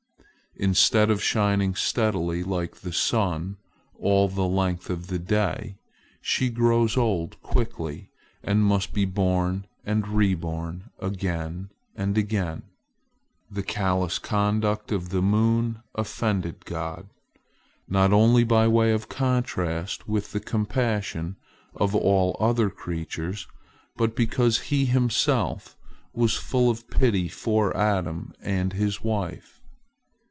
Instead of shining steadily like the sun, all the length of the day, she grows old quickly, and must be born and reborn, again and again. The callous conduct of the moon offended God, not only by way of contrast with the compassion of all other creatures, but because He Himself was full of pity for Adam and his wife.